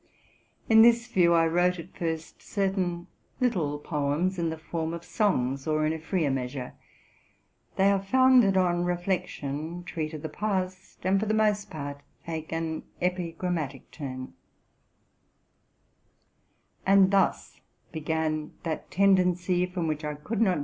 In this view I wrote at first certain little poems, in the form of songs or in a freer measure: they are founded on reflection, treat of the past, and for the most part take an epigrammatic turn And thus began that tendency from which I could not RELATING TO MY LIFE.